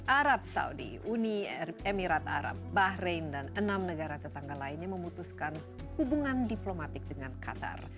arab saudi uni emirat arab bahrain dan enam negara tetangga lainnya memutuskan hubungan diplomatik dengan qatar